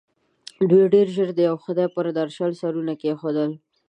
دوی ډېر ژر د یوه خدای پر درشل سرونه کېښول.